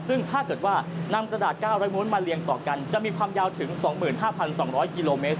ซึ่งถ้าเกิดว่านำกระดาษ๙๐๐ม้วนมาเรียงต่อกันจะมีความยาวถึง๒๕๒๐๐กิโลเมตร